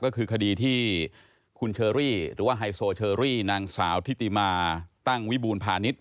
ก็คือคดีที่คุณเชอรี่หรือว่าไฮโซเชอรี่นางสาวทิติมาตั้งวิบูรพาณิชย